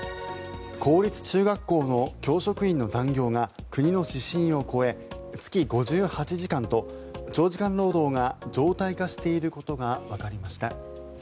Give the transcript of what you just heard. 公立中学校の教職員の残業が国の指針を超え、月５８時間と長時間労働が常態化していることがわかりました。